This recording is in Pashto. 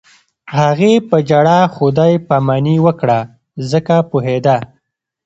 هغې په ژړا خدای پاماني وکړه ځکه پوهېده